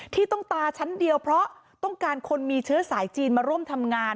ที่ต้องตาชั้นเดียวเพราะต้องการคนมีเชื้อสายจีนมาร่วมทำงาน